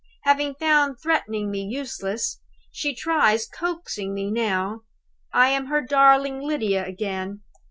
Having found threatening me useless, she tries coaxing me now. I am her darling Lydia again!